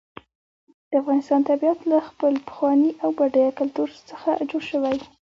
د افغانستان طبیعت له خپل پخواني او بډایه کلتور څخه جوړ شوی دی.